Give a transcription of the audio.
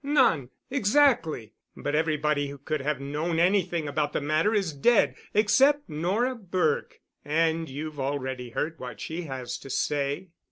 None? Exactly! But everybody who could have known anything about the matter is dead except Nora Burke, and you've already heard what she has to say."